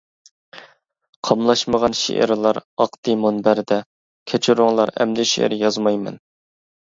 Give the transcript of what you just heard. قاملاشمىغان شېئىرلار ئاقتى مۇنبەردە، كەچۈرۈڭلار ئەمدى شېئىر يازمايمەن.